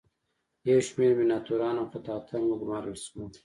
یو شمیر میناتوران او خطاطان وګومارل شول.